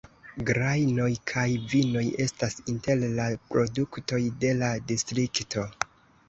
Grajnoj kaj vinoj estas inter la produktoj de la distrikto.